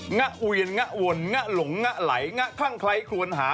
งะเวียนงะวนงะหลงงะไหลงะคลั่งไคร้คลวนหา